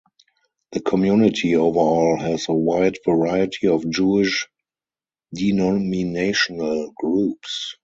The community overall has a wide variety of Jewish denominational groups.